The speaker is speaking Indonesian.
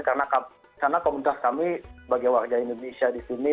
karena komentar kami sebagai warga indonesia di sini